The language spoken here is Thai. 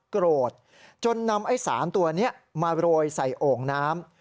โกรธจนนำไอ้สารตัวนี้มาโรยใส่โอ่งน้ำ